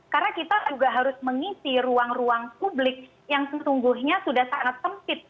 karena kita juga harus mengisi ruang ruang publik yang sesungguhnya sudah sangat sempit